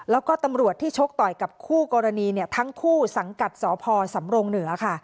แล้วก็ตำรวจที่ชกต่อยกับคู่กรณีทั้งคู่สังกัดสพสำรงเหนือค่ะ